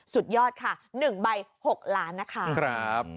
สุดยอดค่ะ๑ใบ๖ล้านนะคะ